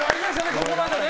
ここまでね。